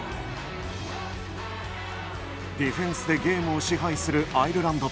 ディフェンスでゲームを支配するアイルランド。